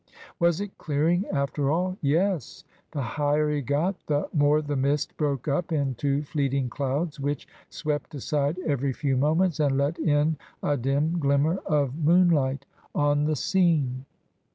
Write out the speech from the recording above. Was it clearing after all? Yes. The higher he got the more the mist broke up into fleeting clouds, which swept aside every few moments and let in a dim glimmer of moonlight on the scene.